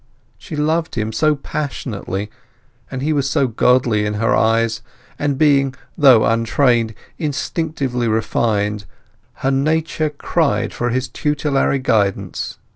She loved him so passionately, and he was so godlike in her eyes; and being, though untrained, instinctively refined, her nature cried for his tutelary guidance.